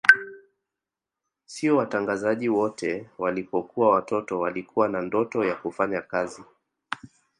Sio watangazaji wote walipokuwa watoto walikuwa na ndoto ya kufanya kazi